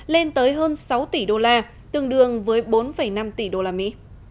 lên tới hơn sáu tỷ đô la tương đương với bốn năm tỷ đô la mỹ